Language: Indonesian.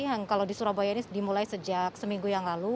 yang kalau di surabaya ini dimulai sejak seminggu yang lalu